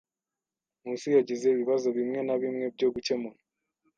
Nkusi yagize ibibazo bimwe na bimwe byo gukemura.